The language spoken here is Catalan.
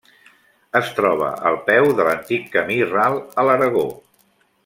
Es troba al peu de l'antic camí ral a l'Aragó.